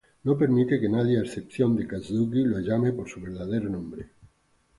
No permite que nadie, a excepción de Kazuki, lo llame por su verdadero nombre.